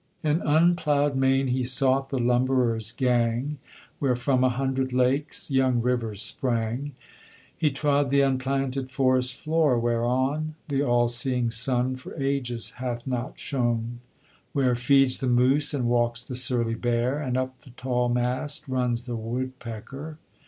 "In unploughed Maine he sought the lumberers' gang, Where from a hundred lakes young rivers sprang; He trod the unplanted forest floor, whereon The all seeing sun for ages hath not shone; Where feeds the moose and walks the surly bear, And up the tall mast runs the woodpecker.